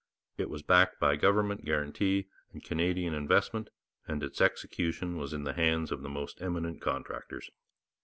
It was backed by government guarantee and Canadian investment, and its execution was in the hands of the most eminent contractors.